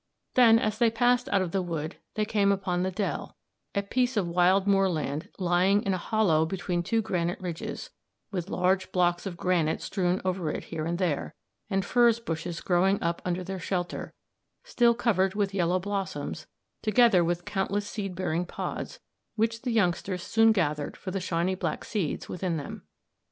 Then, as they passed out of the wood, they came upon the dell, a piece of wild moorland lying in a hollow between two granite ridges, with large blocks of granite strewn over it here and there, and furze bushes growing under their shelter, still covered with yellow blossoms together with countless seed bearing pods, which the youngsters soon gathered for the shiny black seeds within them.